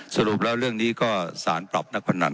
สรุปแล้วเรื่องนี้ก็สารปรับนักพนัน